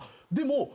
でも。